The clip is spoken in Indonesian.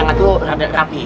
yang satu rapi